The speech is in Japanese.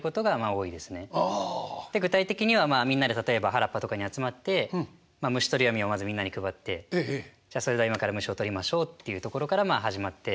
で具体的にはみんなで例えば原っぱとかに集まって虫捕り網をまずみんなに配ってじゃあそれでは今から虫を捕りましょうっていうところからまあ始まって。